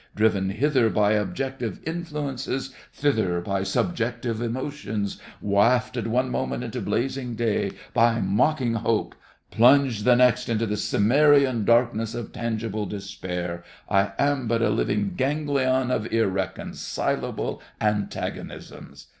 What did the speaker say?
Driven hither by objective influences—thither by subjective emotions—wafted one moment into blazing day, by mocking hope—plunged the next into the Cimmerian darkness of tangible despair, I am but a living ganglion of irreconcilable antagonisms.